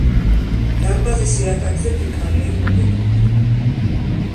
დარბაზის იატაკზე ფიქალია მოგებული.